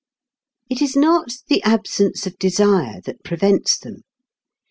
It is not the absence of desire that prevents them.